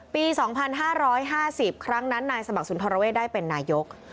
ปีสองพันห้าร้อยห้าสิบครั้งนั้นนายสมัครสุนธรเวศได้เป็นนายยก